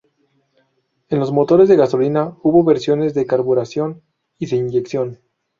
En los motores de gasolina hubo versiones de carburación y de inyección.